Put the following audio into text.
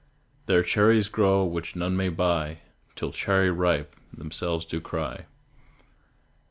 There cherries grow which none may buy, Till "Cherry ripe" themselves do cry.